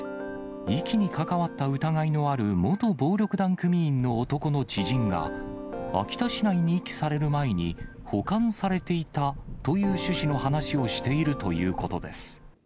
遺棄に関わった疑いのある元暴力団組員の男の知人が、秋田市内に遺棄される前に、保管されていたという趣旨の話をしているということです。